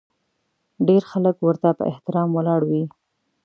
ډېر خلک ورته په احترام ولاړ وي.